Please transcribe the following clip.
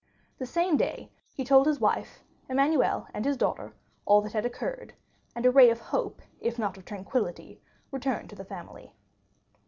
The same day he told his wife, Emmanuel, and his daughter all that had occurred; and a ray of hope, if not of tranquillity, returned to the family.